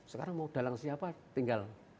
sekarang mau dalang siapa tinggal